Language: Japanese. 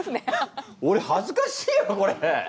おれはずかしいよこれ！